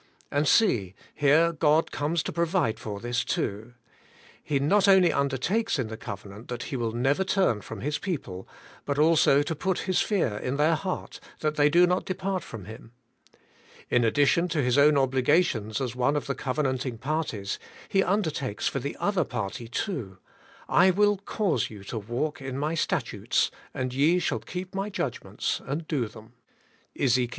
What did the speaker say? And see, here God comes to provide for this too. He not only undertakes in the covenant that He will never turn from His people, but also to put His fear in their heart, that they do not depart from Him. In addition to His own obligations as one of the cove nanting parties, He undertakes for the other party too : 'I WILL CAUSE you to Walk in my statutes, and ye shall keep my judgments and do them' {EzeJc.